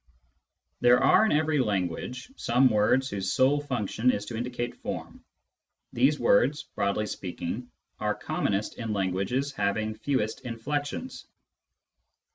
There are in every language some words whose sole function is to indicate form. These words, broadly speaking, are commonest in languages having fewest inflections.